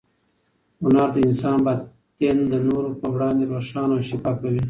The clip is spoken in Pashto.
هنر د انسان باطن د نورو په وړاندې روښانه او شفافوي.